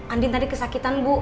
andin tadi kesakitan bu